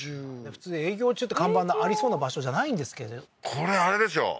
普通営業中って看板のありそうな場所じゃないんですけどこれあれでしょ？